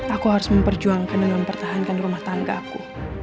aku harus memperjuangkan dan mempertahankan rumah tangga aku